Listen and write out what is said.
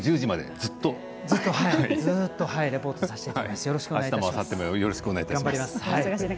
ずっとレポートさせていただきます。